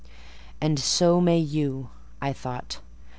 "And so may you," I thought.